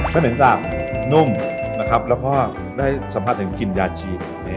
ข้าวเหน็นสาบนุ่มนะครับแล้วก็ได้สัมภาษณ์ถึงกลิ่นยาชี